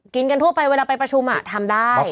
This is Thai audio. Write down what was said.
กินกันทั่วไปเวลาไปประชุมทำได้